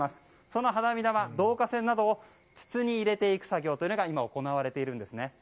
その花火玉、導火線などを筒に入れていく作業というのが今、行われているんです。